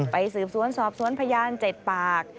สืบสวนสอบสวนพยาน๗ปาก